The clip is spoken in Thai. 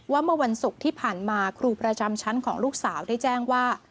เมื่อวันศุกร์ที่ผ่านมาครูประจำชั้นของลูกสาวได้แจ้งว่า